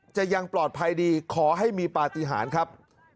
ยังปลอดภัยดีขอให้มีปฏิหารครับ